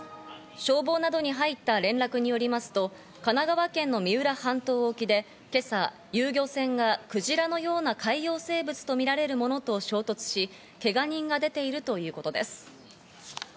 消防などに入った連絡によりますと神奈川県の三浦半島沖で今朝、遊漁船がクジラのような海洋生物とみられるものと衝突し、けが人が出ているということです。